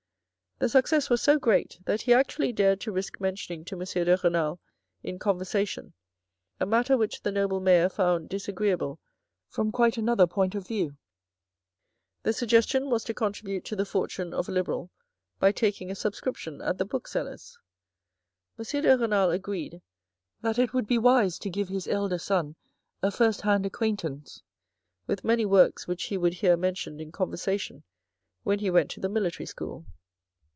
The success was so great that he actually dared to risk mentioning to M. de Renal in conversation, a matter which the noble mayor found disagreeable from quite another point of view. The suggestion was to contribute to the fortune of a Liberal by taking a subscription at the bookseller's. M. de Renal agreed that it would be wise to give his elder son a first hand acquaintance with many works which he would hear mentioned in conversation when he went to the Military School.